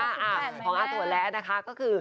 ของอาสวนแล้วนะคะก็คือ